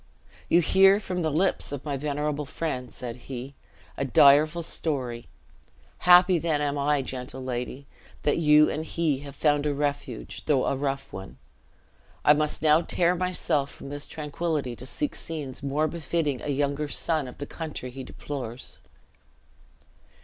"You hear from the lips of my venerable friend," said he, "a direful story; happy then am I, gentle lady, that you and he have found a refuge, though a rough one. I must now tear myself from this tranquillity to seek scenes more befitting a younger son of the country he deplores."